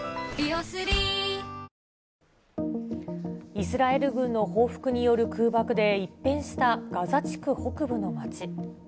イスラエル軍の報復による空爆で一変したガザ地区北部の街。